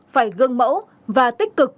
phải gương mẫu và tích cực